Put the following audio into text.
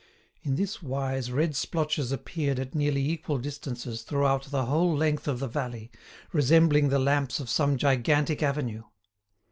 In this wise red splotches appeared at nearly equal distances throughout the whole length of the valley, resembling the lamps of some gigantic avenue.